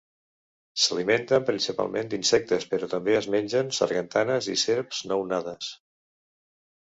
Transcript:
S'alimenten principalment d'insectes, però també es mengen sargantanes i serps nounades.